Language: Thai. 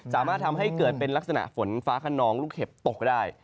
สามารถทำให้เกิดเป็นลักษณะฝนฟ้าขนองลูกเห็บตกได้